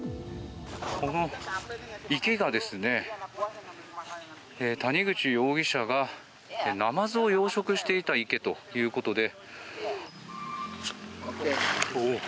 この池が谷口容疑者がナマズを養殖していた池ということで。